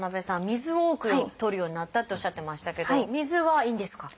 水を多くとるようになったっておっしゃってましたけど水はいいんですか？